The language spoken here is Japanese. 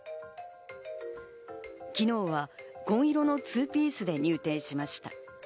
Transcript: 昨日は紺色のツーピースで入廷しました。